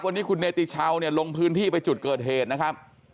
วันนี้คุณเนติชาวเนี่ยลงพื้นที่ไปจุดเกิดเหตุนะครับ